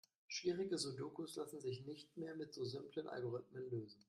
Schwierige Sudokus lassen sich nicht mehr mit so simplen Algorithmen lösen.